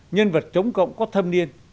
nhân vật chống cộng có thâm niên